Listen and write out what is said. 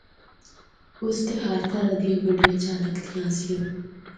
اس تے ہر طرح دی گڈیان چل ہکدیاں آسیاں۔